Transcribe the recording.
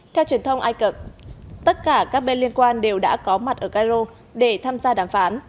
theo truyền thông ai cập tất cả các bên liên quan đều đã có mặt ở cairo để tham gia đàm phán